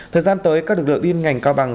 thời gian tới các lực lượng liên ngành cao bằng